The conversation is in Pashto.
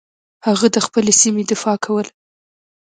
هغه د خپلې سیمې دفاع کوله.